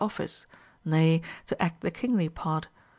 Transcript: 259 office, nay, to act the kingly part.